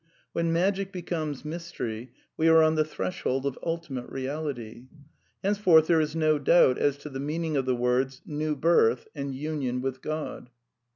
When Magic becomes Mystery we are on the threshold of Ultimate Real ity. Hencefordi there is no doubt as to the meaning of the words " New Birth " and " Union with God."